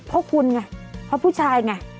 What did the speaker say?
เพราะคุณไงเพราะผู้ชายไง